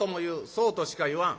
「そうとしか言わん」。